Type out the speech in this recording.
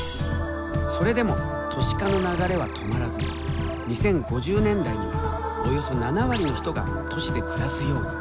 それでも都市化の流れは止まらず２０５０年代にはおよそ７割の人が都市で暮らすように。